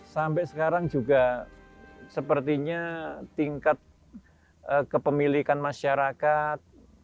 sampai sekarang juga sepertinya tingkat kepemilikan masyarakat